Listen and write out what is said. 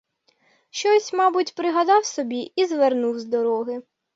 Щось, мабуть, пригадав собі і завернув з дороги.